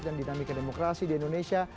dan dinamika demokrasi di indonesia